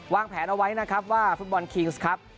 แผนเอาไว้นะครับว่าฟุตบอลคิงส์ครับ